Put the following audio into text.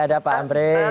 ada pak amri